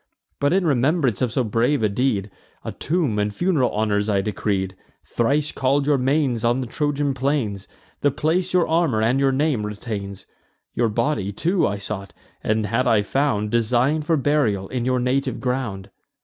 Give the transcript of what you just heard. But, in remembrance of so brave a deed, A tomb and fun'ral honours I decreed; Thrice call'd your manes on the Trojan plains: The place your armour and your name retains. Your body too I sought, and, had I found, Design'd for burial in your native ground."